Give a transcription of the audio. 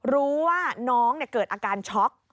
รู้ว่าน้องเกิดอาการช็อก